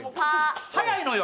早いのよ！